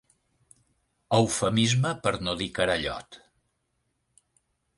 Eufemisme per no dir carallot.